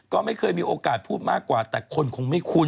ก็ไม่เคยมีโอกาสพูดมากกว่าแต่คนคงไม่คุ้น